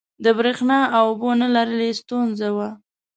د برېښنا او اوبو نه لرل یې ستونزه وه.